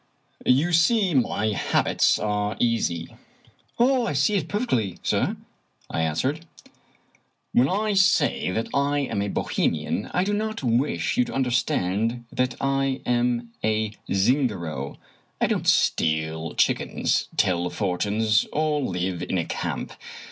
" You see my habits are easy." " I see it perfectly, sir," I answered. " When I say that I am a Bohemian, I do not wish you to understand that I am a Zingaro. I don't steal chickens, tell fortunes, or live in a camp.